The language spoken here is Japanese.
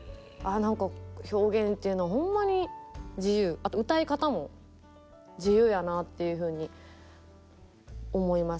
何か表現っていうのはほんまに自由あと歌い方も自由やなっていうふうに思います。